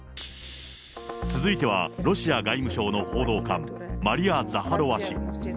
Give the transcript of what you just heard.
続いては、ロシア外務省の報道官、マリア・ザハロワ氏。